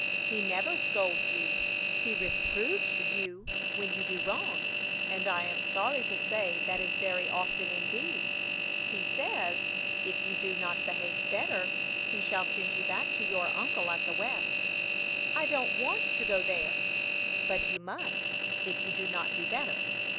"He never scolds you; he reproves you when you do wrong, and I am sorry to say that is very often indeed. He says, if you do not behave better, he shall send you back to your uncle at the west." "I don't want to go there." "But you must, if you do not do better.